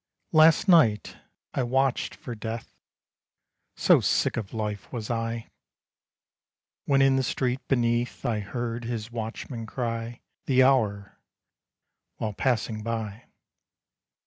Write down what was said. Last night I watched for Death So sick of life was I! When in the street beneath I heard his watchman cry The hour, while passing by.